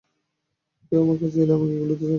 কেউ আমার কাছে এলে, আমি এইগুলি জানতে চাই।